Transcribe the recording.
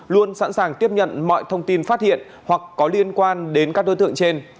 luôn sẵn sàng tiếp nhận mọi thông tin phát hiện hoặc có liên quan đến các đối tượng trên